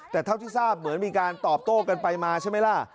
แต่เท่าที่ทราบเหมือนมีการตอบโต้กันไปมาใช่ไหมล่ะ